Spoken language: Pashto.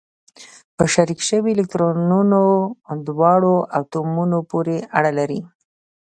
په شریک شوي الکترونونه دواړو اتومونو پورې اړه لري.